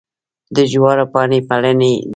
د جوارو پاڼې پلنې دي.